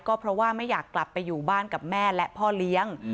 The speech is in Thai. ก็เพราะว่าไม่อยากกลับไปอยู่บ้านกับแม่และพ่อเลี้ยง